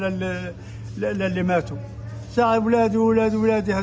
dan saya poeticil parameter untuk address saya sadisnya tentara israel